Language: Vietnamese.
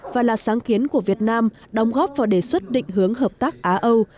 và là sáng kiến của việt nam đóng góp vào đề xuất định hướng hợp tác á âu